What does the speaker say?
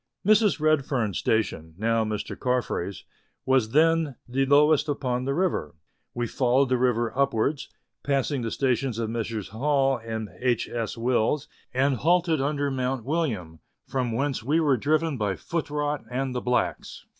Mrs. Redfern's station (now Mr. Carfrae's) was then the lowest upon the river ; we followed the river upwards, passing the stations of Messrs. Hall and H. S. Wills, and halted under Mount William, from whence we were driven by foot rot and the blacks.